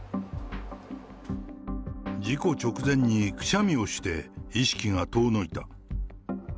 事故直前にくしゃみをして、意識が遠のいた。